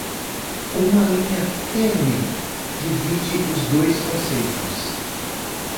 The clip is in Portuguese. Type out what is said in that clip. Uma linha tênue divide os dois conceitos